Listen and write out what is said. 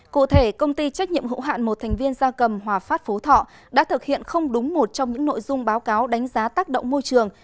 cụ thể công ty trách nhiệm hữu hạn một thành viên gia cầm hòa phát phú thọ đã thực hiện không đúng một trong những nội dung báo cáo đánh giá tác động môi trường